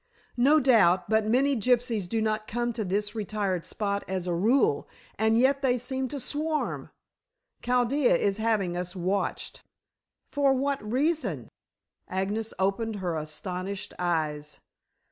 "No doubt, but many gypsies do not come to this retired spot as a rule, and yet they seem to swarm. Chaldea is having us watched." "For what reason?" Agnes opened her astonished eyes.